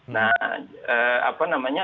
nah apa namanya